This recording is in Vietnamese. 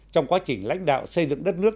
trong quá trình lãnh đạo xây dựng đất nước